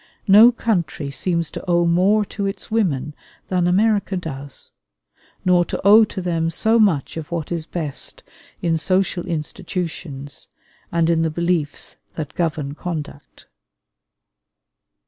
No country seems to owe more to its women than America does, nor to owe to them so much of what is best in social institutions and in the beliefs that govern conduct.